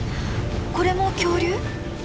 これも恐竜？